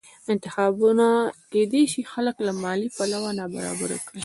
انتخابونه کېدای شي خلک له مالي پلوه نابرابره کړي